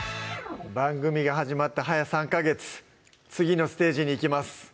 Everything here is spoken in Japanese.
番組が始まって早３ヵ月次のステージに行きます